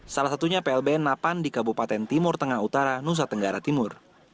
salah satunya plb napan di kabupaten timur tengah utara nusa tenggara timur